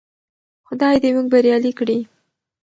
خدای دې موږ بريالي کړي.